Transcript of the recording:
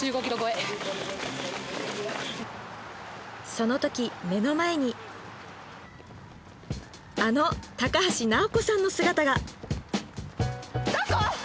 その時目の前にあの高橋尚子さんの姿がどこ？